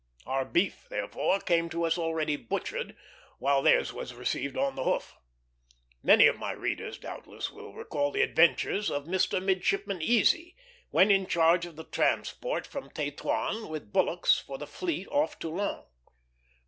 Our beef, therefore, came to us already butchered, while theirs was received on the hoof. Many of my readers doubtless will recall the adventures of Mr. Midshipman Easy, when in charge of the transport from Tetuan with bullocks for the fleet off Toulon.